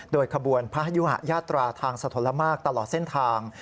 โดยขบวนพระยุหะยาตราทางสะทนละมากตลอดเส้นทาง